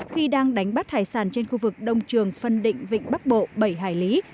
khi đang đánh bắt hải sản trên khu vực đông trường phân định vịnh bắc bộ bảy hải lý